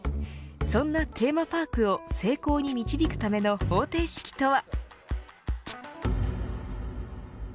そんなテーマパークを成功に導くための方程式とは。